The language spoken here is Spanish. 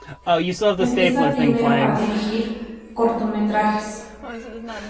Empieza primero a dirigir cortometrajes.